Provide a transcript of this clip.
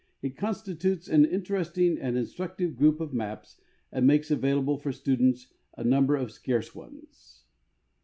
It constitutes an interesting and instructive group of maps and makes avail al^le for students a number of scarce ones.